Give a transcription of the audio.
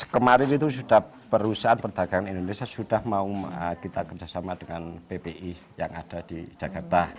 kemarin itu sudah perusahaan perdagangan indonesia sudah mau kita kerjasama dengan ppi yang ada di jakarta